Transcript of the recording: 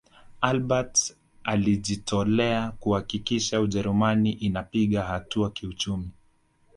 albert alijitolea kuhakikisha ujerumani inapiga hatua kiuchumi